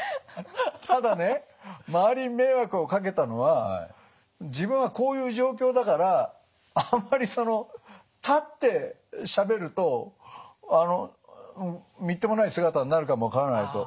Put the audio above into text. ただね周りに迷惑をかけたのは自分はこういう状況だからあんまりその立ってしゃべるとみっともない姿になるかも分からないと。